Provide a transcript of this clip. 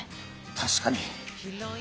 確かに。